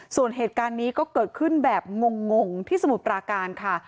ส่วนเหตุการณ์นี้ก็เกิดขึ้นแบบงงที่สมุทรปราการค่ะ